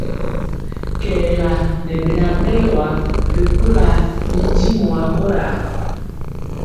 Kɛɛla ŋɛ beŋa berwa ri kula mi ntimɔ a kora.